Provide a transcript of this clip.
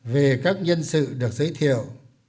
về các nhân sự được giới thiệu